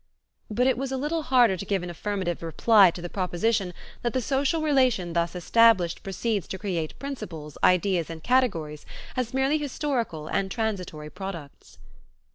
But it was a little harder to give an affirmative reply to the proposition that the social relation thus established proceeds to create principles, ideas and categories as merely historical and transitory products.